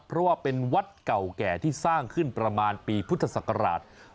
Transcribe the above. เพราะว่าเป็นวัดเก่าแก่ที่สร้างขึ้นประมาณปีพุทธศักราช๒๕๖